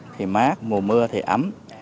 thì mát mùa mưa thì ấm